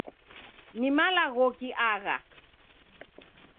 Ni malaghoki agha ?